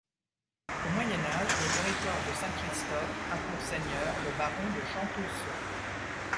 Au Moyen Âge, le territoire de Saint-Christophe a pour seigneur le baron de Champtoceaux.